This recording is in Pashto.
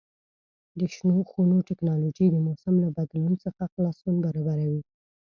د شنو خونو تکنالوژي د موسم له بدلون څخه خلاصون برابروي.